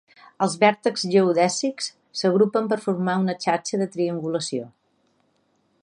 Els vèrtexs geodèsics s'agrupen per formar una xarxa de triangulació.